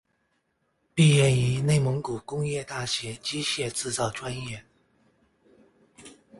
毕业于内蒙古工业大学机械制造专业。